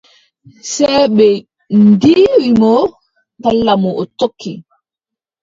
Sey ɓe ndiiwi mo. Kala mo o tokki.